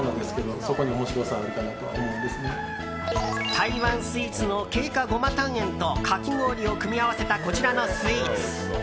台湾スイーツの桂花胡麻湯圓とかき氷を組み合わせたこちらのスイーツ。